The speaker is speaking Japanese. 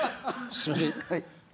すいません。